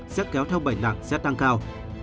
sẽ kéo theo bệnh nặng sẽ tăng cao